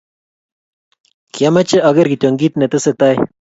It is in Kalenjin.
kyameche ageer kityo kiit netesetai